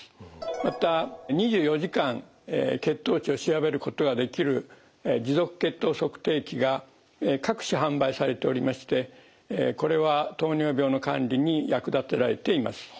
また２４時間血糖値を調べることができる持続血糖測定器が各種販売されておりましてこれは糖尿病の管理に役立てられています。